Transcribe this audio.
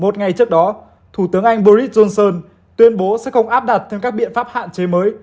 một ngày trước đó thủ tướng anh boris johnson tuyên bố sẽ không áp đặt thêm các biện pháp hạn chế mới